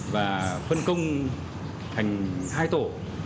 và phân công thành hai tổ